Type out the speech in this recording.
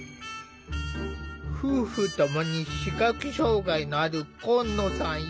夫婦共に視覚障害のある今野さん一家だ。